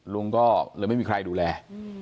ลุงก็เลยไม่มีใครดูแล